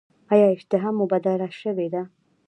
ایا اشتها مو بدله شوې ده؟